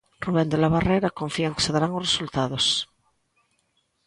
Rubén de la Barrera confía en que se darán os resultados.